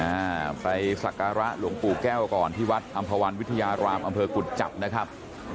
อ่าไปสักการะหลวงปู่แก้วก่อนที่วัดอำภาวันวิทยารามอำเภอกุจจับนะครับ